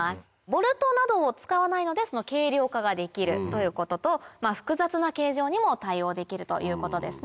ボルトなどを使わないので軽量化ができるということと複雑な形状にも対応できるということですね。